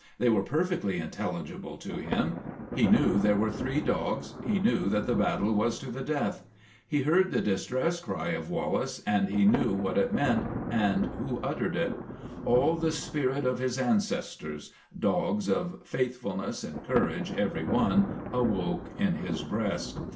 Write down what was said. They were perfectly intelligible to him. He knew there were three dogs; he knew that the battle was to the death. He heard the distress cry of Wallace 44 THE TWA DOGS O' GLENFERGUS and he knew what it meant and who uttered it. All the spirit of his ancestors dogs of faithfulness and courage every one awoke in his breast.